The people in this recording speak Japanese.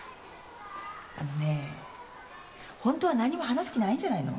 あのねえホントは何も話す気ないんじゃないの？